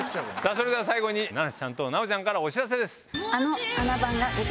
それでは最後に七瀬ちゃんと奈緒ちゃんからお知らせです。